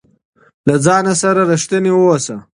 له ځان سره رښتينی اوسه